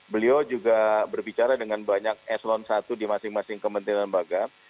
beliau juga berbicara dengan banyak eselon i di masing masing kementerian bagam